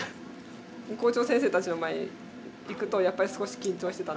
校長先生たちの前行くとやっぱり少し緊張してたんだけど。